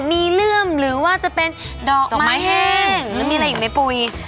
มีเลื่อมหรือว่าจะเป็นดอกไม้แห้งหรือมีอะไรอีกไหมปุ๋ย